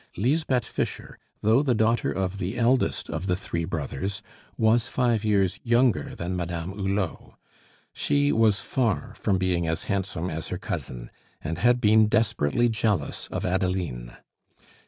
Lisbeth Fischer, though the daughter of the eldest of the three brothers, was five years younger than Madame Hulot; she was far from being as handsome as her cousin, and had been desperately jealous of Adeline.